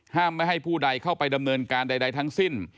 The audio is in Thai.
ไม่ให้ผู้ใดเข้าไปดำเนินการใดทั้งสิ้น